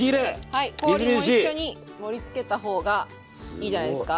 はい氷も一緒に盛りつけた方がすごいいいじゃないですか。